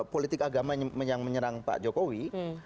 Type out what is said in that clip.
politik agama yang menyerang pak jokowi